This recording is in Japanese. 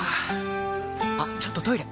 あっちょっとトイレ！